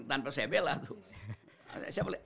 tanpa saya bela tuh